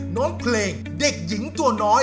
น้องเพลงเด็กหญิงตัวน้อย